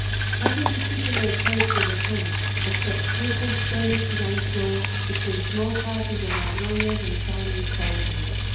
Nothing particular occurred 'till the 10th, except frequent skirmishes on shore between small parties of Ladrones and Chinese soldiers.